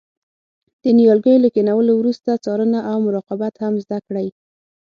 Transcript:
د نیالګیو له کینولو وروسته څارنه او مراقبت هم زده کړئ.